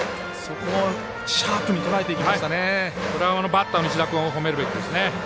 これはバッターの石田君を褒めるべきですね。